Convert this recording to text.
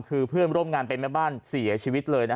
คือเพื่อนร่วมงานเป็นแม่บ้านเสียชีวิตเลย